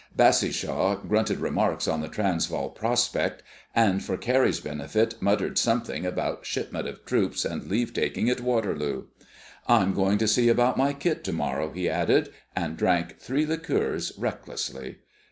Bassishaw grunted remarks on the Transvaal prospect, and for Carrie's benefit muttered something about shipment of troops and leave taking at Waterloo. "I'm going to see about my kit to morrow," he added, and drank three liqueurs recklessly.